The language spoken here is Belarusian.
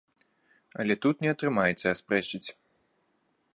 Але тут не атрымаецца аспрэчыць.